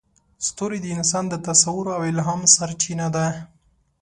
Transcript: ستوري د انسان د تصور او الهام سرچینه ده.